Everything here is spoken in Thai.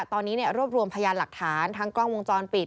ตอนนี้รวบรวมพยานหลักฐานทั้งกล้องวงจรปิด